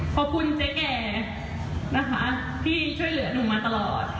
ขอบคุณเจ๊แก่นะคะที่ช่วยเหลือหนูมาตลอด